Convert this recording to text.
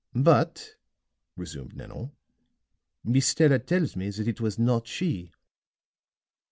"But," resumed Nanon, "Miss Stella tells me that it was not she."